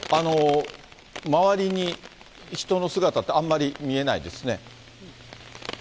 周りに人の姿ってあんまり見えないですね。